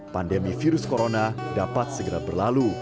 pandemi virus corona dapat segera berlalu